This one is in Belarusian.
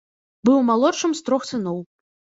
Быў малодшым з трох сыноў.